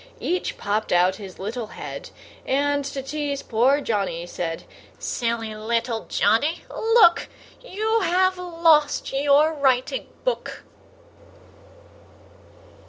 Each popped out his little head, And, to tease poor Johnny, said "Silly little Johnny, look, You have lost your writing book!"